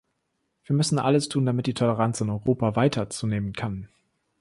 Wir müssen alles tun, damit die Toleranz in Europa weiter zunehmen kann.